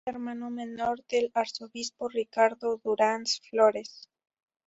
Hermano menor del arzobispo Ricardo Durand Flórez.